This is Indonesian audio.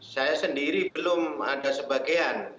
saya sendiri belum ada sebagian